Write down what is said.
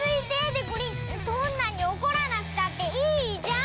そんなにおこらなくたっていいじゃん。